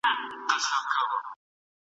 هغه درناوی ترلاسه کړ